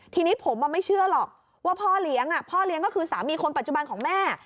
ทีนี้ผมมันไม่เชื่อหรอกพ่อเลี้ยงก็คือสามีคนปัจจุบันของแม่